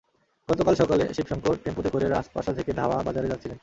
গতকাল সকালে শিব শংকর টেম্পোতে করে রাজপাশা থেকে ধাওয়া বাজারে যাচ্ছিলেন।